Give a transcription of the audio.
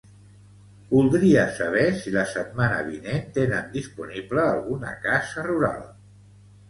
Voldria saber si la setmana vinent tenen disponible alguna casa rural.